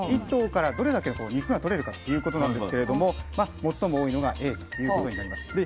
１頭からどれだけ肉が取れるかっていうことなんですけれども最も多いのがＡということになります。